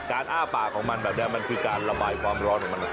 อ้าปากของมันแบบนี้มันคือการระบายความร้อนของมัน